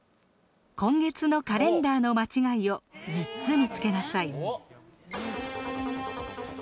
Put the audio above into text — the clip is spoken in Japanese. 今月のカレンダーの間違いを３つ見つけなさい。